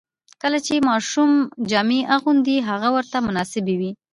کله چې ماشوم جامې اغوندي، هغه ورته مناسبې وي.